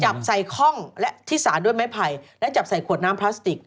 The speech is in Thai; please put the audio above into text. จับใส่คล่องและที่สารด้วยไม้ไผ่และจับใส่ขวดน้ำพลาสติก